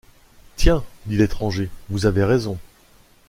Tiens! dit l’étranger, vous avez raison.